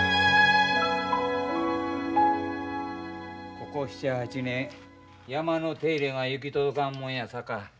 ここ７８年山の手入れが行き届かんもんやさか